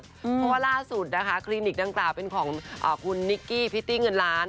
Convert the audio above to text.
เพราะว่าร่าสุดคลินิกด้านต่างเป็นของคุณนิกกี้พิสติเงินร้าน